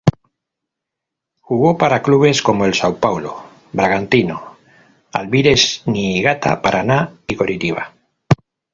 Jugó para clubes como el São Paulo, Bragantino, Albirex Niigata, Paraná y Coritiba.